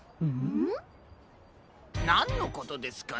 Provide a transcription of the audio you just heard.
なんのことですかな？